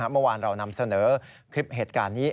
เมื่อวานเรานำเสนอคลิปเหตุการณ์นี้